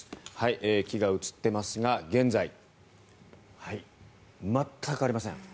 木が映っていますが現在、全くありません。